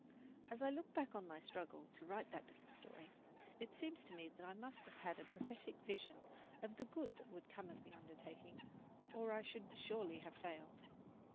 As I look back on my struggle to write that little story, it seems to me that I must have had a prophetic vision of the good that would come of the undertaking, or I should surely have failed.